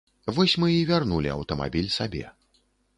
Вось мы і вярнулі аўтамабіль сабе.